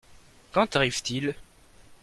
Quand arrive-t-il ?